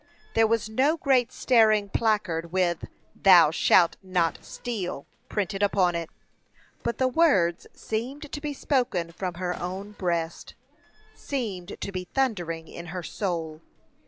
There was no great staring placard, with "Thou shalt not steal" printed upon it, but the words seemed to be spoken from her own breast seemed to be thundering in her soul.